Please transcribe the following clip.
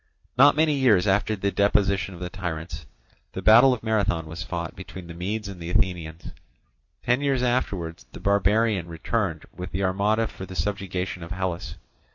Not many years after the deposition of the tyrants, the battle of Marathon was fought between the Medes and the Athenians. Ten years afterwards, the barbarian returned with the armada for the subjugation of Hellas.